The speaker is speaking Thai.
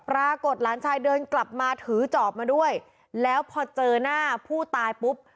หลานชายเดินกลับมาถือจอบมาด้วยแล้วพอเจอหน้าผู้ตายปุ๊บ